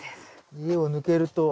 家を抜けると。